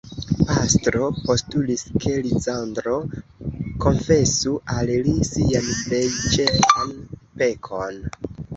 Pastro postulis, ke Lizandro konfesu al li sian plej ĉefan pekon.